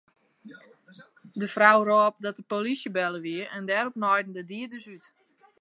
De frou rôp dat de polysje belle wie en dêrop naaiden de dieders út.